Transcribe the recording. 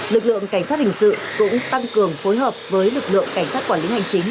lực lượng cảnh sát hình sự cũng tăng cường phối hợp với lực lượng cảnh sát quản lý hành chính